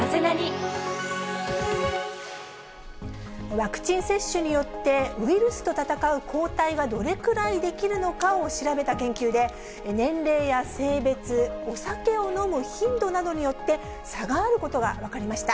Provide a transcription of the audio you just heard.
ワクチン接種によって、ウイルスと戦う抗体がどれくらい出来るのかを調べた研究で、年齢や性別、お酒を飲む頻度などによって、差があることが分かりました。